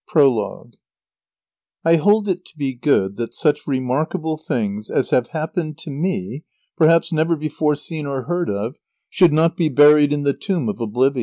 PROLOGUE I hold it to be good that such remarkable things as have happened to me, perhaps never before seen or heard of, should not be buried in the tomb of oblivion.